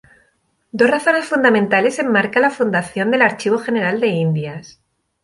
Dos razones fundamentales enmarcan la fundación del Archivo General de Indias.